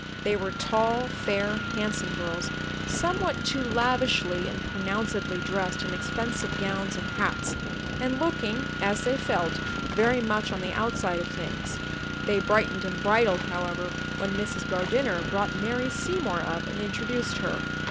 They were tall, fair, handsome girls, somewhat too lavishly and pronouncedly dressed in expensive gowns and hats, and looking, as they felt, very much on the outside of things. They brightened and bridled, however, when Mrs. Gardiner brought Mary Seymour up and introduced her.